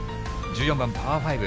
１４番パー５。